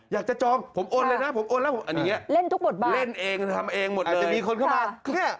อยากจะจองผมโอนเลยนะผมโอนแล้วเล่นทุกบทบาททำเองหมดเลย